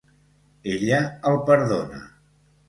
Ella el perdona.